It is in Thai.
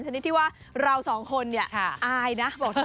ฉะนั้นที่ว่าเราสองคนอายนะบอกทุก